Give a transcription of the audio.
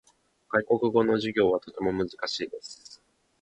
外国語の授業はとても難しいです。